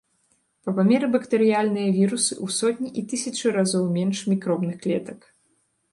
Па памеры бактэрыяльныя вірусы ў сотні і тысячы разоў менш мікробных клетак.